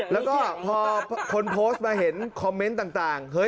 และก็พอคนโพสต์มาเห็นคอมเม้นต่างเฮ้ย